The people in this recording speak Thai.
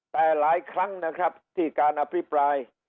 แต่หลายครั้งนะครับที่การอภิปราย